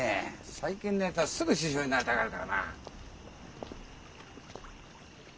最近のやつはすぐ殊勝になりたがるからなあ。